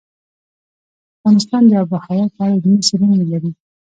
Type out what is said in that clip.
افغانستان د آب وهوا په اړه علمي څېړنې لري.